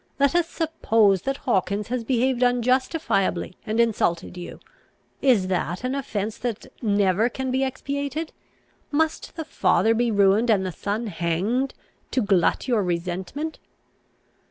Let us suppose that Hawkins has behaved unjustifiably, and insulted you: is that an offence that never can be expiated? Must the father be ruined, and the son hanged, to glut your resentment?"